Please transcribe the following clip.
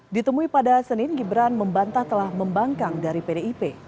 ditemui pada senin gibran membantah telah membangkang dari pdip